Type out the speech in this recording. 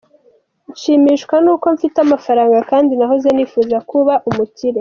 Nshimishwa ni uko mfite amafaranga kandi nahoze nifuza kuba umukire.